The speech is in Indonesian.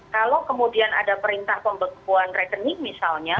kalau kemudian ada perintah pembekuan rekening misalnya